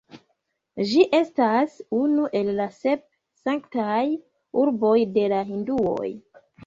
Ĝi estas unu el la sep sanktaj urboj de la hinduoj.